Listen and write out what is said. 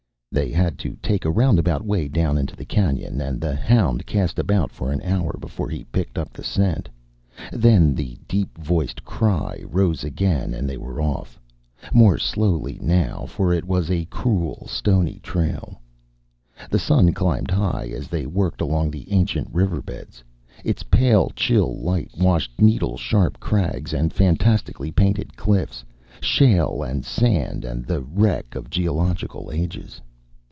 They had to take a roundabout way down into the canyon and the hound cast about for an hour before he picked up the scent. Then the deep voiced cry rose again and they were off more slowly now, for it was a cruel stony trail. The sun climbed high as they worked along the ancient river bed. Its pale chill light washed needle sharp crags and fantastically painted cliffs, shale and sand and the wreck of geological ages.